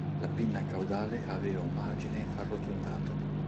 La pinna caudale aveva un margine arrotondato.